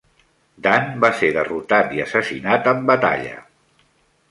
Dan va ser derrotat i assassinat en batalla.